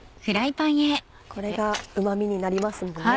これがうま味になりますんでね。